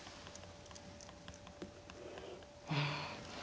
うん。